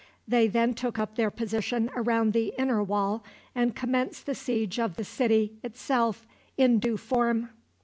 They then took up their position around the inner wall, and commenced the siege of the city itself in due form.